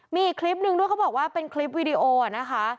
มีอีกคลิปนึงด้วยเขาบอกว่าเป็นคลิปวีดีโอนะคะ